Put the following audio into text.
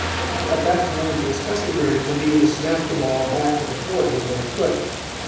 "At that time it was customary for me to snap the ball back to the quarter with my foot.